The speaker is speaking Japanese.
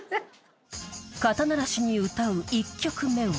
［肩慣らしに歌う１曲目は］